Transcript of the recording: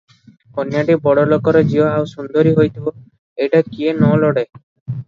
କନ୍ୟାଟି ବଡ଼ ଲୋକର ଝିଅ, ଆଉ ସୁନ୍ଦରୀ ହୋଇଥିବ, ଏଇଟା କିଏ ନ ଲୋଡ଼େ?